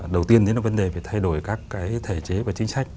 đầu tiên thì nó vấn đề về thay đổi các cái thể chế và chính sách